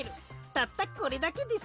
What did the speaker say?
たったこれだけです。